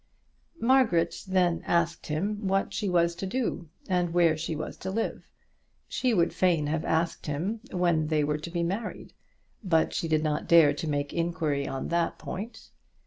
Margaret then asked him what she was to do, and where she was to live. She would fain have asked him when they were to be married, but she did not dare to make inquiry on that point.